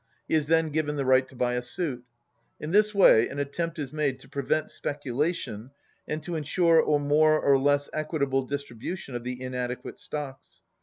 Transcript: He is then given the right to buy a suit. In this way an attempt is made to prevent speculation and to ensure a more or less equitable distribution of the inadequate stocks.